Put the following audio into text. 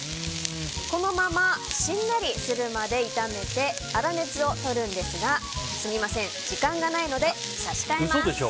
このまましんなりするまで炒めて粗熱をとるんですがすみません、時間がないので差し替えます。